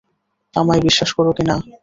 আমায় বিশ্বাস করো কিনা?